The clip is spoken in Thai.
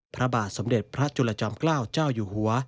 พระบาทสมเด็จพระจุลจอมเกล้าเจ้าอยู่หัว